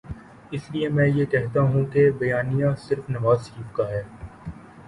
اس لیے میں یہ کہتا ہوں کہ بیانیہ صرف نوازشریف کا ہے۔